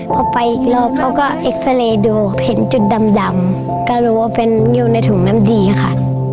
พอไปอีกรอบเขาก็เอ็กซาเรย์ดูเห็นจุดดำก็รู้ว่าเป็นอยู่ในถุงน้ำดีค่ะ